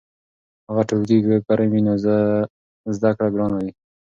که ټولګی ګرم وي نو زده کړه ګرانه وي.